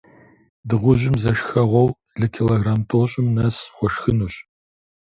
Дыгъужьым зэ шхэгъуэу лы килограмм тIощIым нэс хуэшхынущ.